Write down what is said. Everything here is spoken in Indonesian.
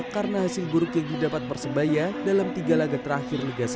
karena hasil buruk yang didapat persebaya dalam tiga laga terakhir liga satu